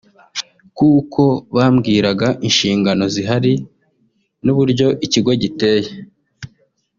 kuko bambwiraga inshingano zihari n’uburyo ikigo giteye